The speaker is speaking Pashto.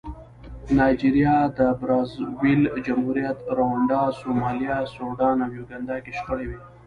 نایجریا، د برازاویل جمهوریت، رونډا، سومالیا، سوډان او یوګانډا کې شخړې وې.